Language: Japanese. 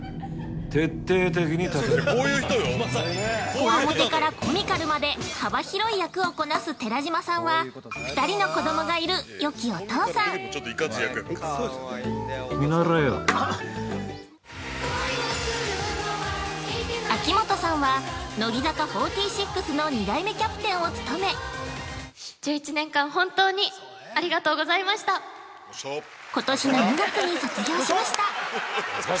コワモテからコミカルまで幅広い役をこなす寺島さんは、２人の子供がいる、よきお父さん秋元さんは、乃木坂４６の２代目キャプテンを務め、今年の２月に卒業しました。